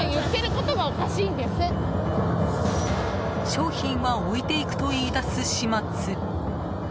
商品は置いていくと言い出す始末。